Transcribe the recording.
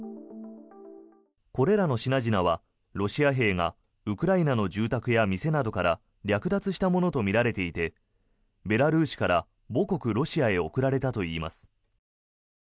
これらの品々はロシア兵がウクライナの住宅や店などから略奪したものとみられていてベラルーシから母国ロシアへ送られたといいます。